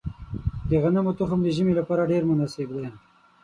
د غنمو تخم د ژمي لپاره ډیر مناسب دی.